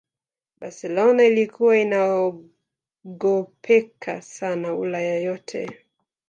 Barcelona ilikuwa inaogopeka sana ulaya yote